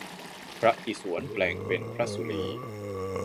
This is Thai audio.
พระอิศวรแปลงเป็นพระศุลี